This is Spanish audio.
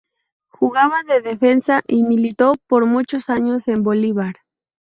Jugaba de defensa y militó por muchos años en Bolívar.